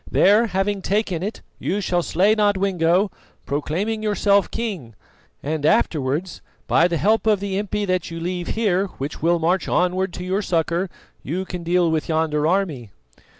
There, having taken it, you shall slay Nodwengo, proclaiming yourself king, and afterwards, by the help of the impi that you leave here which will march onward to your succour, you can deal with yonder army."